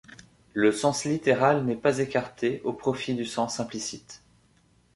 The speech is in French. Le sens littéral n’est pas écarté au profit du sens implicite.